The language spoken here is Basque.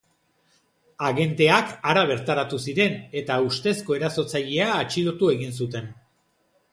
Agenteak hara bertaratu ziren, eta ustezko erasotzailea atxilotu egin zuten.